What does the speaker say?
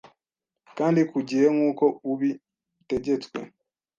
kandi ku gihe nkuko ubi tegetswe